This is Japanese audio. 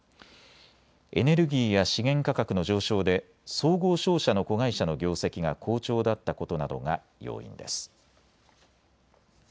エネルギーや資源価格の上昇で総合商社の子会社の業績が好調だったことなどが要因です。